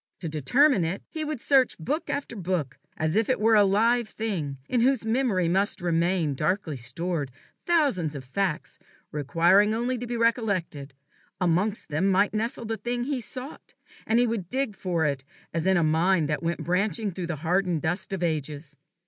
To determine it, he would search book after book, as if it were a live thing, in whose memory must remain, darkly stored, thousands of facts, requiring only to be recollected: amongst them might nestle the thing he sought, and he would dig for it as in a mine that went branching through the hardened dust of ages.